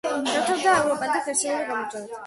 დამთავრდა ევროპელთა ღირსეული გამარჯვებით.